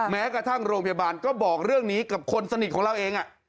แม้กระทั่งโรงพยาบาลก็บอกเรื่องนี้กับคนสนิทของเราเอง